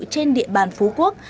trên địa bàn phú quốc